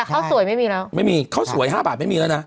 ข้าวสวยไม่มีแล้วไม่มีข้าวสวย๕บาทไม่มีแล้วนะ